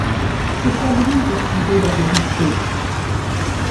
C’est à lui de trouver la vérité.